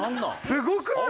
すごくない？